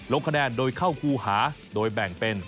ลงคะแนนโดยเข้าครูหาโดยแบ่งเป็น